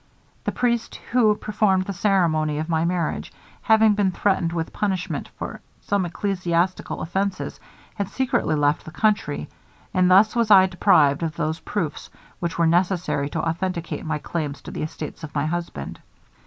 The priest who performed the ceremony of my marriage, having been threatened with punishment for some ecclesiastical offences, had secretly left the country; and thus was I deprived of those proofs which were necessary to authenticate my claims to the estates of my husband.